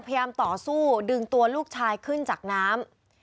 พยายามต่อสู้ดึงตัวลูกชายขึ้นจากน้ำ